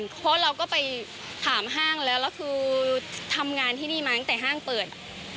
เพราะเราก็ไปถามห้างแล้วแล้วคือทำงานที่นี่มาตั้งแต่ห้างเปิด